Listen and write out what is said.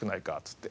って。